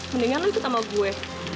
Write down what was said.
mendingan lu ikut sama gue